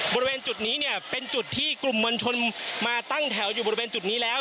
บริเวณจุดนี้เนี่ยเป็นจุดที่กลุ่มมวลชนมาตั้งแถวอยู่บริเวณจุดนี้แล้ว